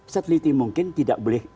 seteliti mungkin tidak boleh